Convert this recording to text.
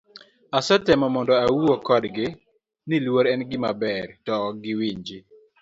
Asetemo mondo awuo kodgi, ni luor en gima ber, to ok giwinji.